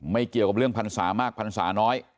ไม่เกี่ยวกับเรื่องพันธุ์ศาสตร์มากพันธุ์ศาสตร์น้อย